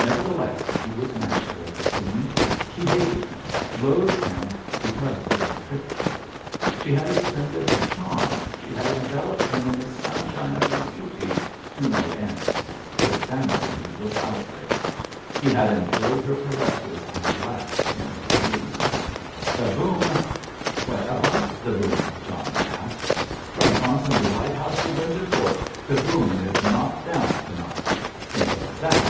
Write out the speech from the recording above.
Nevertheless, he was master of the scene. She hated him—loathed him—because he had tricked her. She had expended charm, she had enveloped him in the sunshine of her beauty to no end. Her vanity was outraged. He had enjoyed her caresses and laughed in his sleeve. "The boom——" "What about the boom?" John asked. "From Ponsonby Lighthouse to Windsor Fort the boom is not down to night. Think of that.